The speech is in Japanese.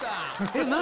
えっ何？